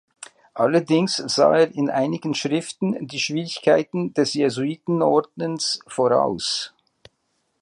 Allerdings sah er in einigen Schriften die Schwierigkeiten des Jesuitenordens voraus.